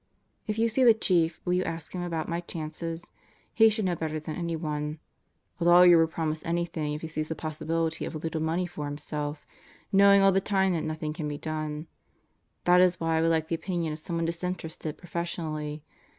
If you see the Chief, will you ask Mm about my chances? He should know better than anyone else. A lawyer will promise anything if he sees the possibility of a little money for himself, knowing all the time that nothing can be done. That is why I would like the opinion of someone disinterested professionally.